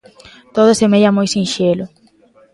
Todo semella moi sinxelo.